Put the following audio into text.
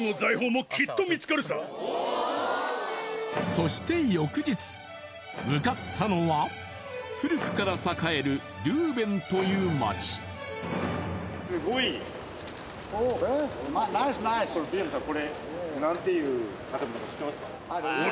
そして向かったのは古くから栄えるルーヴェンという街すごいナイスナイスヴィレムさん